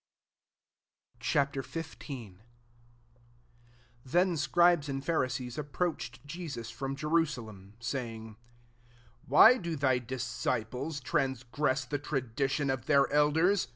Ch. XV. 1 Then Scribes and Pharisees approached Je sus from Jerusalem, saying, " Why do thy disciples trans gress the tradition of the elders?